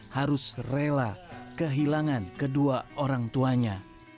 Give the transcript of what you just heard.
harus rela kehilangan kedua orang tuanya